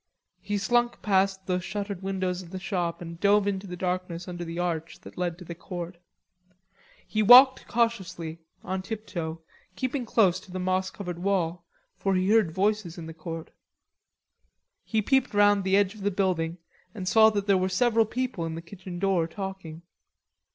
He slunk past the shuttered windows of the shop and dove into the darkness under the arch that led to the court. He walked cautiously, on tiptoe, keeping close to the moss covered wall, for he heard voices in the court. He peeped round the edge of the building and saw that there were several people in the kitchen door talking.